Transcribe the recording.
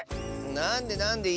なんでなんで。